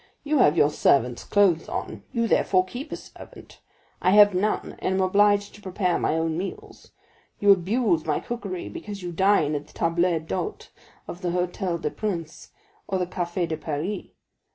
You have your servant's clothes on—you therefore keep a servant; I have none, and am obliged to prepare my own meals. You abuse my cookery because you dine at the table d'hôte of the Hôtel des Princes, or the Café de Paris.